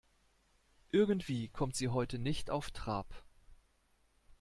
Irgendwie kommt sie heute nicht auf Trab.